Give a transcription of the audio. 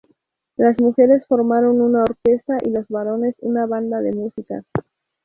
Las mujeres formaron una orquesta y los varones una banda de música.